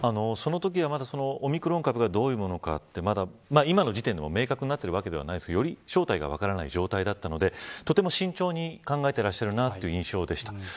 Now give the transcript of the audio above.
そのときは、まだオミクロン株が、どういうものかって今の時点でも明確になっているわけではないですがより正体が分からない状態だったのでとても慎重に考えてらっしゃるなという印象でした。